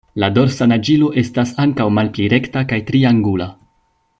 La dorsa naĝilo estas ankaŭ malpli rekta kaj triangula.